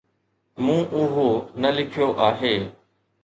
مون اهو نه لکيو آهي